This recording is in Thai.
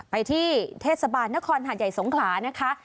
ไปที่เทศบาลนครหาดใหญ่สงขลานะคะ